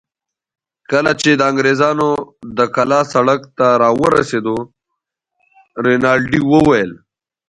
کله چې د انګرېزانو د کلا سړک ته راورسېدو، رینالډي وویل.